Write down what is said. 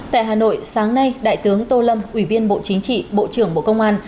tại hà nội sáng nay đại tướng tô lâm ủy viên bộ chính trị bộ trưởng bộ công an